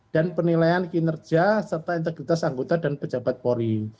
dan penilaian kinerja serta integritas anggota dan pejabat polri